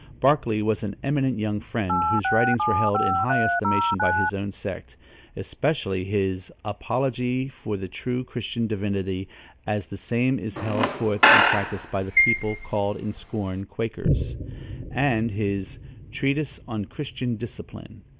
Barclay was an eminent young Friend, whose writings were held in high estimation by his own sect, especially his "Apology for the true Christian Divinity, as the same is held forth and practised by the people called in scorn Quakers," and his "Treatise on Christian Discipline."